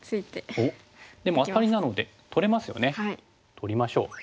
取りましょう。